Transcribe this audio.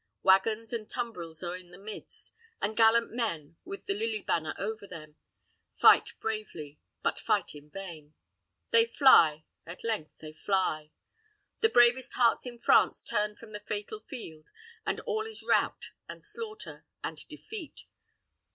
Wagons and tumbrils are in the midst, and gallant men, with the lily banner over them, fight bravely; but fight in vain. They fly at length they fly. The bravest hearts in France turn from the fatal field, and all is rout, and slaughter, and defeat.